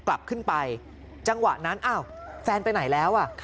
กลับขึ้นไปจังหวะนั้นอ้าวแฟนไปไหนแล้วอ่ะ